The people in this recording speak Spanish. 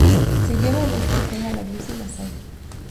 Se lleva de esta tela la blusa y la saya.